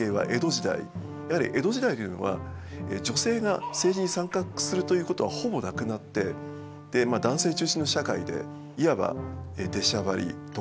やはり江戸時代というのは女性が政治に参画するということはほぼなくなってまあ男性中心の社会でいわば出しゃばりとかですね